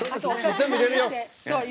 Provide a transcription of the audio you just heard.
全部入れるよ！